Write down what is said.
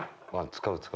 使う。